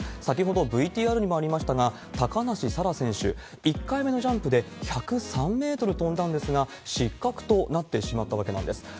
先ほどＶＴＲにもありましたが、高梨沙羅選手、１回目のジャンプで１０３メートル飛んだんですが、失格となってしまったわけなんです。